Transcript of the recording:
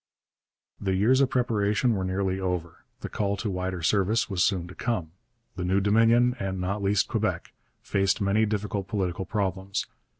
The years of preparation were nearly over. The call to wider service was soon to come. The new Dominion, and not least Quebec, faced many difficult political problems.